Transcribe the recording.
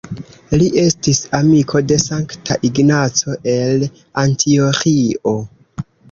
Li estis amiko de Sankta Ignaco el Antioĥio.